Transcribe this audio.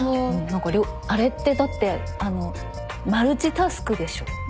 なんかあれってだってマルチタスクでしょ？